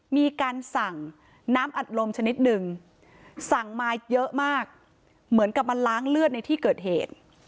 มีการสั่งน้ำอัดลมชนิดหนึ่งสั่งมาเยอะมากเหมือนกับมาล้างเลือดในที่เกิดเหตุ